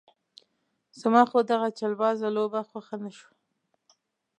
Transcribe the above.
زما خو دغه چلبازه لوبه خوښه نه شوه.